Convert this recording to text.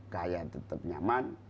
kaya tetap nyaman